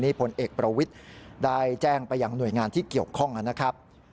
ผลเอกประวิทย์ได้แจ้งไปยังหน่วยงานที่เกี่ยวข้องนะครับ